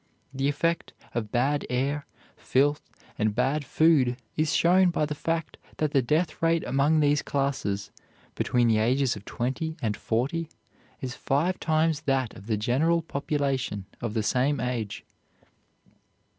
The effect of bad air, filth, and bad food is shown by the fact that the death rate among these classes, between the ages of twenty and forty, is five times that of the general population of the same age.